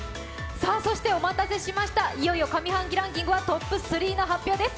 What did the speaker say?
そしてお待たせしました、いよいよ上半期ランキングトップ３の発表です。